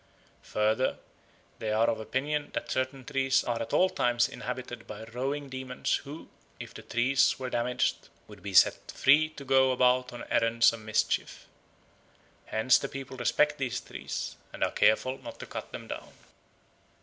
Further, they are of opinion that certain trees are at all times inhabited by roving demons who, if the trees were damaged, would be set free to go about on errands of mischief. Hence the people respect these trees, and are careful not to cut them down.